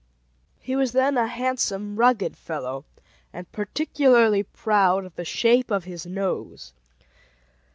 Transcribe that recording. DONNER] He was then a handsome, rugged fellow, and particularly proud of the shape of his nose.